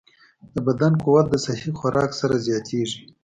د بدن قوت د صحي خوراک سره زیاتېږي.